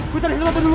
putri lu bantuin lu